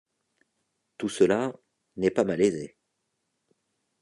Tout cela. n'est pas malaisé.